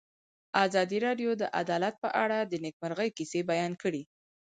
ازادي راډیو د عدالت په اړه د نېکمرغۍ کیسې بیان کړې.